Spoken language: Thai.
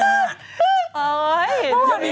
ยังมีท่านได้